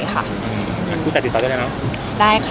คุณจะติดตอบได้นะคะ